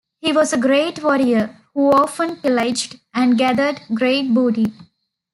He was a great warrior who often pillaged and gathered great booty.